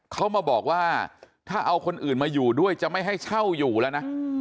เขามาบอกว่าถ้าเอาคนอื่นมาอยู่ด้วยจะไม่ให้เช่าอยู่แล้วนะ